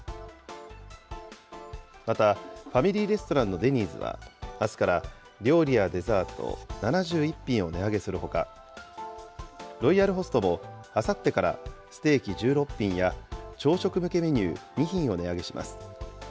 また、ファミリーレストランのデニーズは、あすから料理やデザート、７１品を値上げするほか、ロイヤルホストもあさってからステーキ１６品や朝食向けメニュー２品を値上げします。